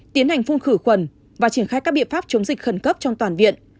tiến hành phun khử khuẩn và triển khai các biện pháp chống dịch khẩn cấp trong toàn viện